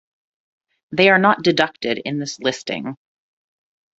They are not deducted in this listing.